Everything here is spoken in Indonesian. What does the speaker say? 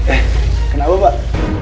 eh kenapa pak